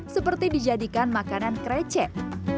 seperti dijadikan makanan krecek